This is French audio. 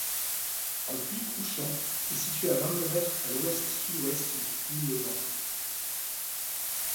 Le puits couchant est situé à vingt-deux mètres à l'ouest-sud-ouest du puits levant.